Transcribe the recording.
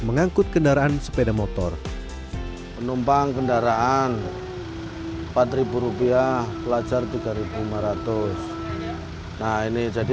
mengangkut kendaraan sepeda motor penumpang kendaraan rp empat pelajar rp tiga lima ratus nah ini jadi